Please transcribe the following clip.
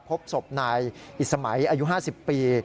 พบศพนายอิสมัยอายุ๕๐ปี